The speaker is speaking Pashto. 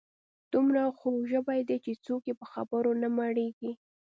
دومره خوږ ژبي دي چې څوک یې په خبرو نه مړیږي.